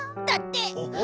だって。